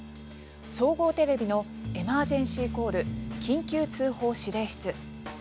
総合テレビの「エマージェンシーコール緊急通報指令室」。